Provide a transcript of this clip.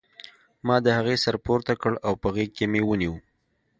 ما د هغې سر پورته کړ او په غېږ کې مې ونیو